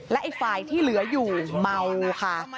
และอีกฝ่ายที่เหลืออยู่เมาค่ะ